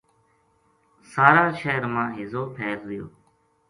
سارا شہر ما ہیضو پھیل رہیو